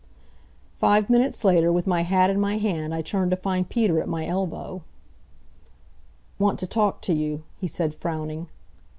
Five minutes later, with my hat in my hand, I turned to find Peter at my elbow. "Want to talk to you," he said, frowning.